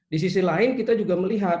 di sisi lain kita juga melihat